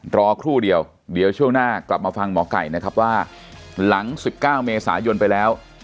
รอครู่เดียวเดี๋ยวช่วงหน้ากลับมาฟังหมอไก่นะครับว่าหลัง๑๙เมษายนไปแล้ว